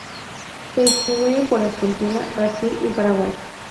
Se distribuyen por Argentina, Brasil y Paraguay.